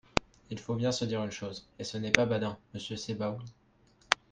Il faut bien se dire une chose, et ce n’est pas badin, monsieur Sebaoun.